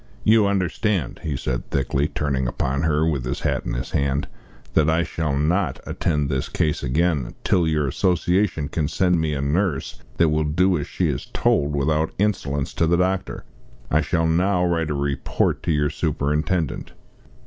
"You understand," he said thickly, turning upon her, with his hat in his hand, "that I shall not attend this case again till your Association can send me a nurse that will do as she is told without insolence to the doctor. I shall now write a report to your superintendent."